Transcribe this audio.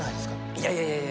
いやいやいやいや。